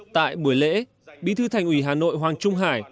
tại buổi lễ bí thư thành ủy hà nội hoàng trung hải